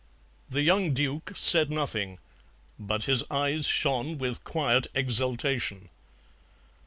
The young Duke said nothing, but his eyes shone with quiet exultation.